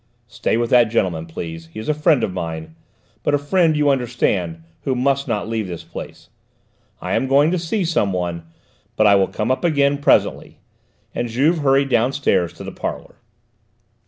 "Stay with that gentleman, please. He is a friend of mine, but a friend, you understand, who must not leave this place. I am going to see some one, but I will come up again presently," and Juve hurried downstairs to the parlour.